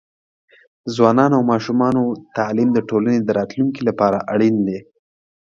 د ځوانانو او ماشومانو تعليم د ټولنې د راتلونکي لپاره اړین دی.